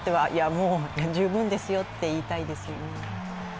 もう、十分ですよって言いたいですよね。